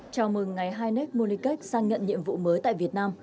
chào mừng ngài heineck kamoniket sang nhận nhiệm vụ mới tại việt nam